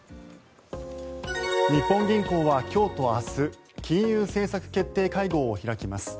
日本銀行は今日と明日金融政策決定会合を開きます。